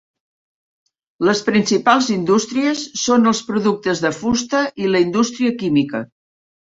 Les principals indústries son els productes de fusta i la indústria química.